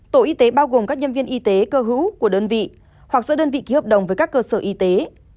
tổ y tế bao gồm các nhân viên y tế cơ hữu của đơn vị hoặc giữa đơn vị ký hợp đồng với các cơ sở y tế